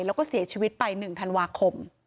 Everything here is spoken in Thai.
แล้วก็เสียชีวิตไป๑ธันวาคม